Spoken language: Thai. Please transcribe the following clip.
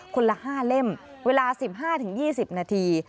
คนละ๕เล่มเวลา๑๕๒๐นาที